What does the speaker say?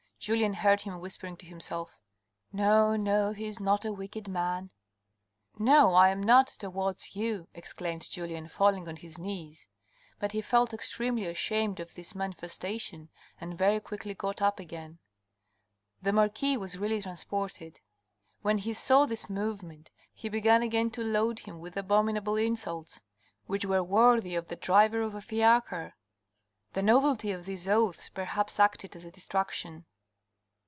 Julien heard him whispering to himself, " No, no, he is not a wicked man." " No, I am not, towards you," exclaimed Julien, falling on his knees. But he felt extremely ashamed of this manifesta tion, and very quickly got up again. THE HELL OF WEAKNESS 447 The marquis was really transported. When he saw this movement, he began again to load him with abominable insults, which were worthy of the driver of a fiacre. The novelty of these oaths perhaps acted as a distraction.